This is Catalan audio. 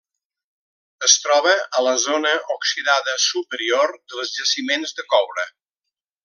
Es troba a la zona oxidada superior dels jaciments de coure.